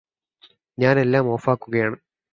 ഞാന് എല്ലാം ഓഫാക്കുകയാണ്